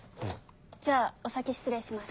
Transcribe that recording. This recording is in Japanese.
じゃあお先失礼します。